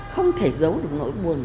không thể giấu được nỗi buồn